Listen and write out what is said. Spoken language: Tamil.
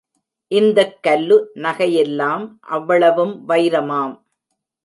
இந்தக் கல்லு நகையெல்லாம் அவ்வளவும் வைரமாம்!